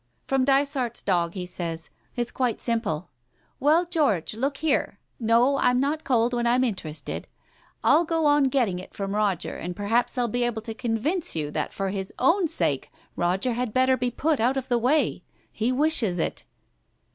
"From Dysart's dog, he says. It's quite simple. Well, George, look here — no, I'm not cold when I'm interested — I'll go on getting it from Roger, and perhaps I'll be able to convince you that for his own sake, Roger had better be put out of the way. He wishes it.